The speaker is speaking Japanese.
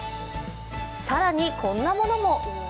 更にこんなものも。